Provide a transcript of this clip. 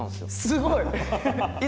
すごい！